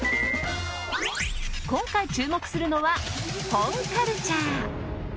今回注目するのは本カルチャー。